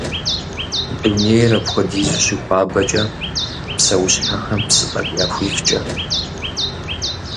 Дунейр апхуэдизу щыхуабэкӏэ, псэущхьэхэм псы тӏэкӏу яхуифкӏэ.